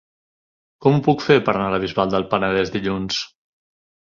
Com ho puc fer per anar a la Bisbal del Penedès dilluns?